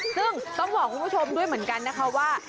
ซึ่งต้องบอกคุณผู้ชมด้วยเหมือนกันนะคะว่า